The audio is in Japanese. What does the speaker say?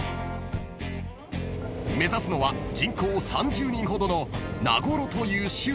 ［目指すのは人口３０人ほどの名頃という集落］